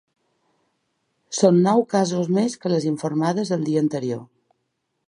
Són nou casos més que les informades el dia anterior.